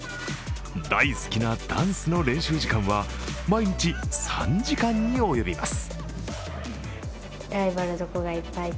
大好きなダンスの練習時間は毎日３時間に及びます。